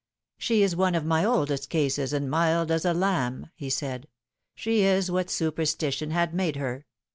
" She is one of my oldest cases, and mild as a lamb," he said. "She is what superstition had made her.